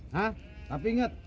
ha tapi inget